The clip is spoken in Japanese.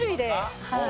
はい。